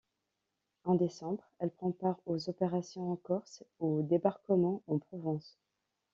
En décembre, elle prend part aux opérations en Corse et au débarquement en Provence.